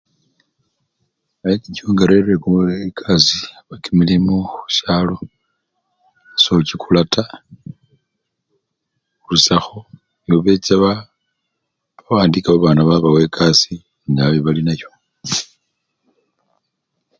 NGO nga charerile ekasii oba kimilimo khushalo sochikula taa khurushakho nibo becha bawandika babana khushalo babawa ekasii ngabe balinayo.